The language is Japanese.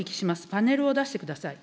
パネルを出してください。